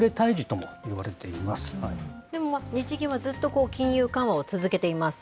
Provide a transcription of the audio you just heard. でも日銀はずっと金融緩和を続けています。